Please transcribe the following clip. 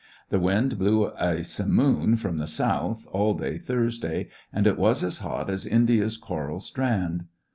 The wind blew a simoon from the south all day Thursday, and it was as hot as 'India's coral strand.'